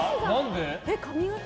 髪形？